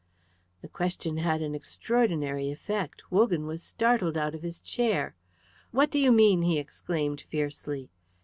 The question had an extraordinary effect. Wogan was startled out of his chair. "What do you mean?" he exclaimed fiercely.